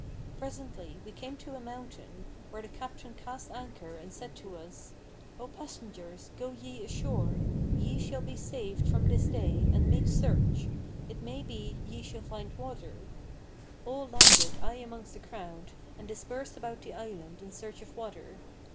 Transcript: Presently, we came to a mountain,[FN#499] where the captain cast anchor and said to us, 'O passengers; go ye ashore; ye shall be saved from this day,[FN#500] and make search; it may be ye shall find water.' So all landed I amongst the crowd, and dispersed about the island in search of water.